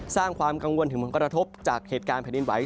สร้างความกังวลถึงผลกระทบจากเหตุการณ์แผ่นดินไหว